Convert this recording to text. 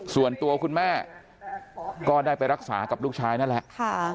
ส่วนตัวคุณแม่ก็ได้ไปรักษากับลูกชายนั่นแหละ